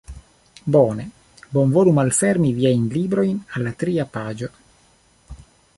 Bone. Bonvolu malfermi viajn librojn al la tria paĝo.